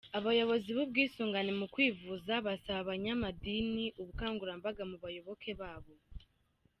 Abayobozi b’ubwisungane mu kwivuza basaba abanyamadini ubukangurambaga mu bayoboke babo.